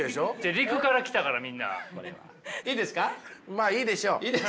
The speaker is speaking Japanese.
まあいいでしょう。